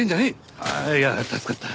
ああいや助かった。